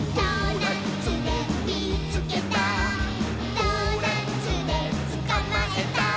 「ドーナツでつかまえた！」